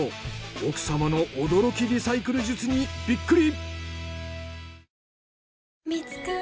奥様の驚きリサイクル術にビックリ！